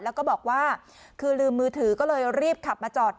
แล้วก็บอกว่าคือลืมมือถือก็เลยรีบขับมาจอด